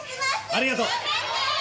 ありがとう！